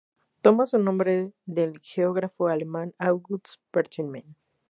Toma su nombre del geógrafo alemán August Petermann.